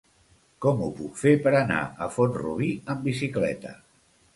Com ho puc fer per anar a Font-rubí amb bicicleta?